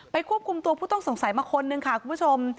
ควบคุมตัวผู้ต้องสงสัยมาคนนึงค่ะคุณผู้ชม